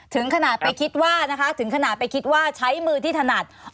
ถึงขนาดไปคิดว่านะคะถึงขนาดไปคิดว่าใช้มือที่ถนัด